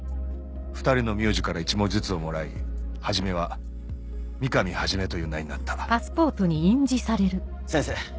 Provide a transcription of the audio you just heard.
２人の名字から１文字ずつをもらい始は「美神始」という名になった先生